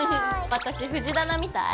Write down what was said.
私藤棚みたい？